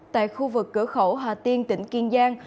tại khu vực cửa khẩu hà tiên tỉnh kiên giang